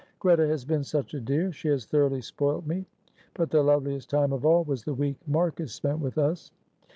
"Greta has been such a dear, she has thoroughly spoilt me; but the loveliest time of all was the week Marcus spent with us."